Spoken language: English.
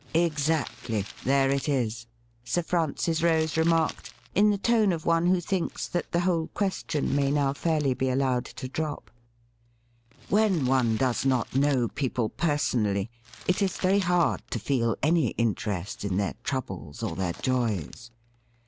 ' Exactly — there it is,' Sir Francis Rose remarked in the tone of one who thinks that the whole question may now fairly be allowed to drop. 'When one does not know people personally, it is very hard to feel any interest in their troubles or their joys.